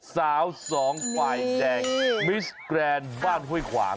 สาวสองฝ่ายแดงแม่ใจกรานบ้านห้วยขวาง